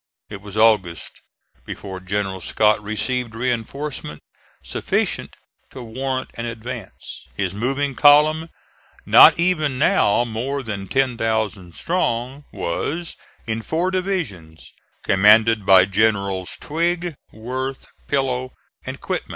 It was August before General Scott received reinforcement sufficient to warrant an advance. His moving column, not even now more than ten thousand strong, was in four divisions, commanded by Generals Twiggs, Worth, Pillow and Quitman.